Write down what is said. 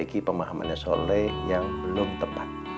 dan memiliki pemahamannya soleh yang belum tepat